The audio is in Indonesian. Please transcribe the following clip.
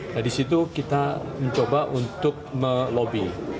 nah di situ kita mencoba untuk melobi